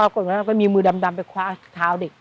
ก็มีมือดำไปคว้าเท้าเด็ก